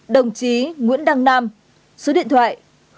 đồng chí nguyễn đăng nam số điện thoại chín trăm linh ba